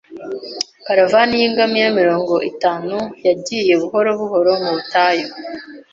Caravan yingamiya mirongo itanu yagiye buhoro buhoro mu butayu.